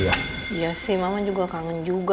iya sih mama juga kangen juga